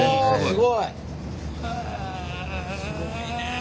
すごいね。